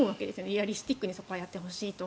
リアリスティックにそこはやってほしいと。